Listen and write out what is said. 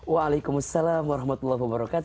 waalaikumsalam warahmatullahi wabarakatuh